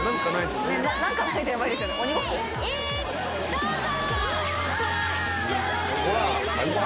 どうぞ！